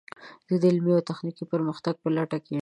زه د علمي او تخنیکي پرمختګ په لټه کې یم.